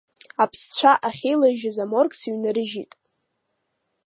Аԥсцәа ахьеилажьыз аморг сыҩнарыжьит.